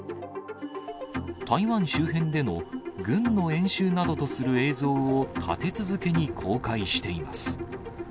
台湾周辺での軍の演習などとする映像を立て続けに公開しています。